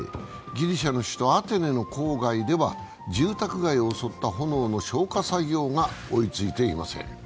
ギリシャの首都アテネの郊外では、住宅街を襲った炎の消火作業が追いついていません。